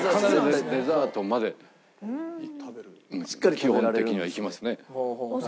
基本的にはいきますね。